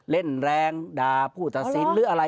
เล่นแรงด่าผู้ตัดสินหรืออะไร